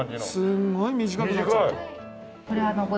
すごい短くなっちゃった。